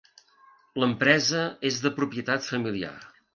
L'empresa és de propietat familiar.